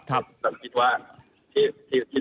คิดว่าเราขอไปได้ทางอันนี้